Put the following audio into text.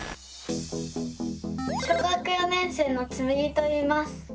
小学４年生のつむぎといいます。